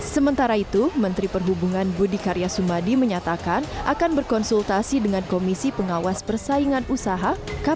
sementara itu menteri perhubungan budi karya sumadi menyatakan akan berkonsultasi dengan komisi pengawas persaingan usaha